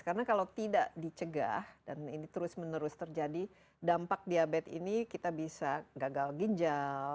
karena kalau tidak dicegah dan ini terus menerus terjadi dampak diabetes ini kita bisa gagal ginjal